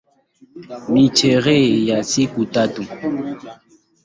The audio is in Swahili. Ni sherehe ya siku tatu.